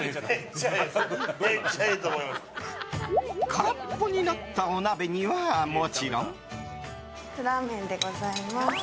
空っぽになったお鍋にはもちろん。